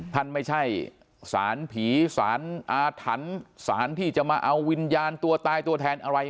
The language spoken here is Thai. ท่านไม่ใช่สารผีสารอาถรรพ์สารที่จะมาเอาวิญญาณตัวตายตัวแทนอะไร